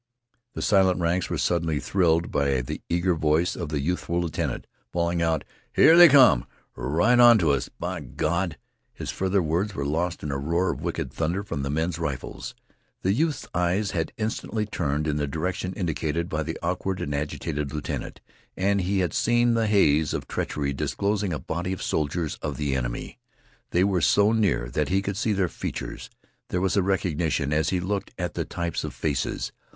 The silent ranks were suddenly thrilled by the eager voice of the youthful lieutenant bawling out: "Here they come! Right onto us, b'Gawd!" His further words were lost in a roar of wicked thunder from the men's rifles. The youth's eyes had instantly turned in the direction indicated by the awakened and agitated lieutenant, and he had seen the haze of treachery disclosing a body of soldiers of the enemy. They were so near that he could see their features. There was a recognition as he looked at the types of faces.